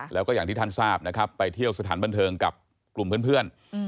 แล้วก็อย่างที่ท่านทราบนะครับไปเที่ยวสถานบันเทิงกับกลุ่มเพื่อน